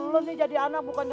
lu nih jadi anak bukan nyuruhnya